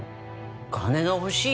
金が欲しい？